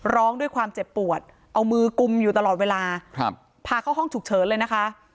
ร้องด้วยความเจ็บปวดเอามือกุมอยู่ตลอดเวลาครับพาเข้าห้องฉุกเฉินเลยนะคะ